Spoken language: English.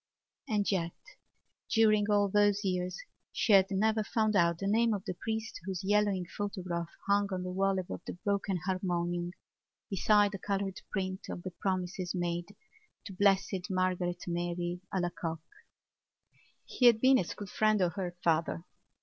And yet during all those years she had never found out the name of the priest whose yellowing photograph hung on the wall above the broken harmonium beside the coloured print of the promises made to Blessed Margaret Mary Alacoque. He had been a school friend of her father.